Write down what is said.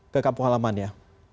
ke kampung alamannya